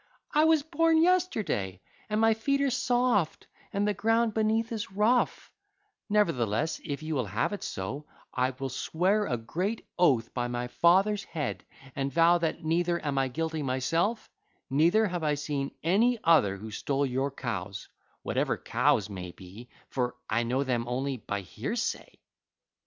I was born yesterday, and my feet are soft and the ground beneath is rough; nevertheless, if you will have it so, I will swear a great oath by my father's head and vow that neither am I guilty myself, neither have I seen any other who stole your cows—whatever cows may be; for I know them only by hearsay.